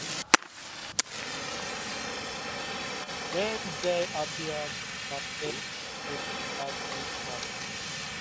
When they appear with the same clues, that looks suspicious.